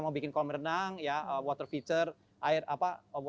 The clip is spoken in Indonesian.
mau bikin kolam renang ya water feature